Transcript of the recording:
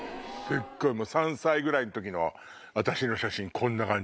３歳ぐらいの時の私の写真こんな感じ。